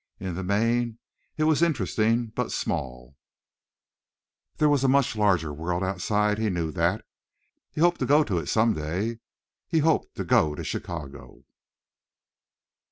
In the main it was interesting but small; there was a much larger world outside, he knew that. He hoped to go to it some day; he hoped to go to Chicago.